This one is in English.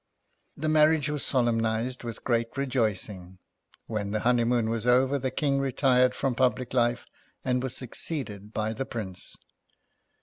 The marriage was solemnized with great rejoicing. When the honeymoon was over, the King retired from public life, and was suc ceeded by the Prince.